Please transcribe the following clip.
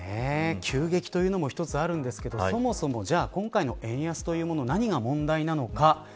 急激というのもあるんですがそもそも今回の円安というもの何が問題なのか。